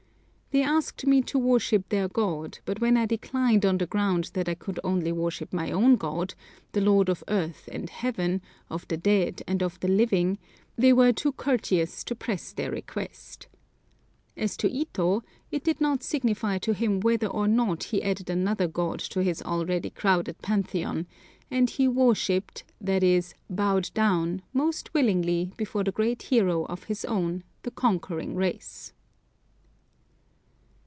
They asked me to worship their god, but when I declined on the ground that I could only worship my own God, the Lord of Earth and Heaven, of the dead and of the living, they were too courteous to press their request. As to Ito, it did not signify to him whether or not he added another god to his already crowded Pantheon, and he "worshipped," i.e. bowed down, most willingly before the great hero of his own, the conquering race.